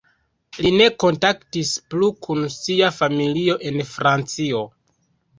Li ne kontaktis plu kun sia familio en Francio.